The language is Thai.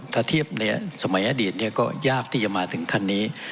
ถ้าเทียบในสมัยอดีตก็ยากที่จะมาถึงขั้นนี้